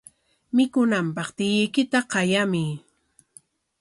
Mikunanpaq tiyuykita qayamuy.